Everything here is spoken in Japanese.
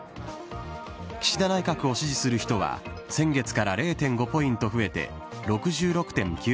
岸田内閣を支持する人は、先月から０．５ポイント増えて６６．９％。